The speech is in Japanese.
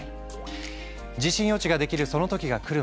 地震予知ができるその時が来るまで